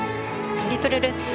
トリプルルッツ